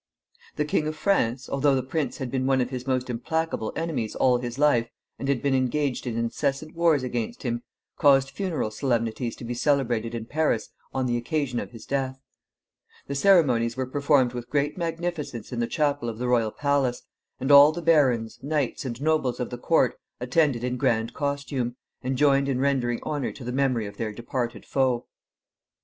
] The King of France, although the prince had been one of his most implacable enemies all his life, and had been engaged in incessant wars against him, caused funeral solemnities to be celebrated in Paris on the occasion of his death. The ceremonies were performed with great magnificence in the chapel of the royal palace, and all the barons, knights, and nobles of the court attended in grand costume, and joined in rendering honor to the memory of their departed foe.